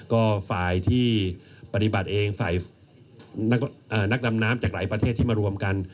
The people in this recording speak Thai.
ก็ฝ่ายที่ปฏิบัติเองฝ่ายนักดำน้ำจากหลายประเทศที่มารวมกัน